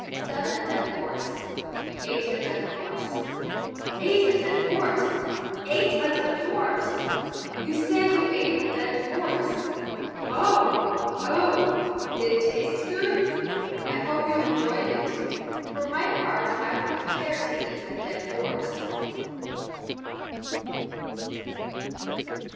_ Seven a dead horse. Eight a dead horse. Eight a dead horse! Ate a dead horse! You said you ate a dead horse. Oh! oh! Did it taste good? I hope you enjoyed it. For my part I wouldn't care to eat a dead horse.